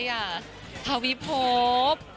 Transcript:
เม็ดทาวิภพ